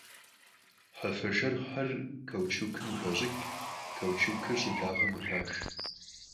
Hefe şşerxhxer kauçukım khıxaş'ıç', kauçukır ş'ıdağem khıxax.